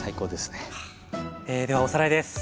ではおさらいです。